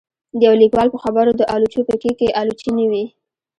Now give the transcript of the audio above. د يو ليکوال په خبره د آلوچو په کېک کې آلوچې نه وې